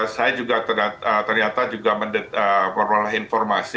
saya juga ternyata juga memperoleh informasi